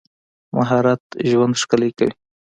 مهارت ژوند ښکلی کوي.